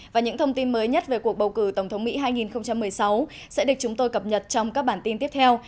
và những thông tin mới nhất về cuộc bầu cử tổng thống mỹ hai nghìn một mươi sáu sẽ được chúng tôi cập nhật trong các bản tin tiếp theo